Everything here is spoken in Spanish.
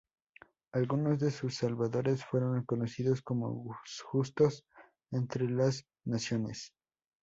Algunos de sus salvadores fueron reconocidos como "Justos entre las Naciones".